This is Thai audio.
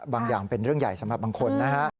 อย่างเป็นเรื่องใหญ่สำหรับบางคนนะฮะ